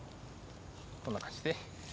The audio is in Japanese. こんな感じで。